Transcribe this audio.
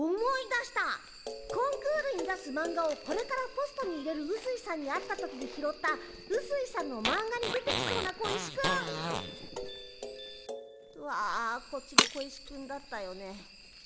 コンクールに出すマンガをこれからポストに入れるうすいさんに会った時に拾ったうすいさんのマンガに出てきそうな小石くん！はこっちの小石くんだったよね。